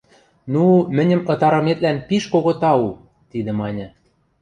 – Ну, мӹньӹм ытарыметлӓн пиш кого тау! – тидӹ маньы.